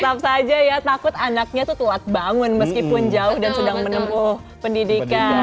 tetap saja ya takut anaknya tuh telat bangun meskipun jauh dan sedang menempuh pendidikan